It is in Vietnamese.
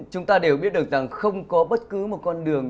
chúng ta đều biết được rằng không có bất cứ một con đường